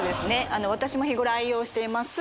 あの私も日頃愛用しています